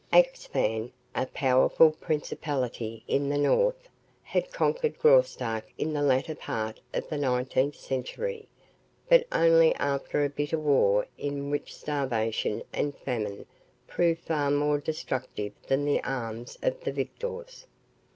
Axphain, a powerful principality in the north, had conquered Graustark in the latter part of the nineteenth century, but only after a bitter war in which starvation and famine proved far more destructive than the arms of the victors.